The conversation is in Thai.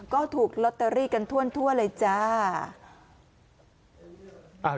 ก็ถูกลอตเตอรี่กันทั่วเลยจ้า